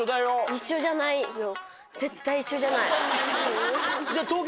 絶対一緒じゃない。